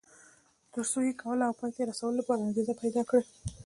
تر څو یې کولو او پای ته رسولو لپاره انګېزه پيدا کړي.